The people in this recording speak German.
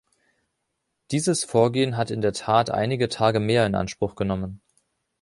Dieses Vorgehen hat in der Tat einige Tage mehr in Anspruch genommen.